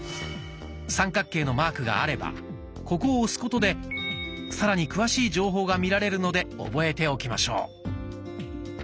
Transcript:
三角形のマークがあればここを押すことでさらに詳しい情報が見られるので覚えておきましょう。